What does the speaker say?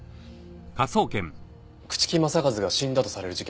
朽木政一が死んだとされる事件